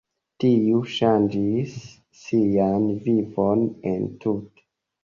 Tiu ŝanĝis sian vivon entute.